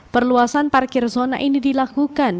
perluasan parkir zona ini dilakukan